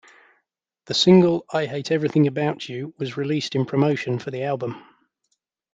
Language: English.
The single "I Hate Everything About You" was released in promotion for the album.